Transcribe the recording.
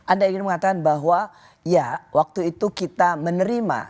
anda ingin mengatakan bahwa ya waktu itu kita menerima